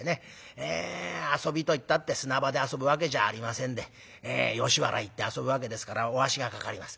遊びといったって砂場で遊ぶわけじゃありませんで吉原行って遊ぶわけですからおあしがかかります。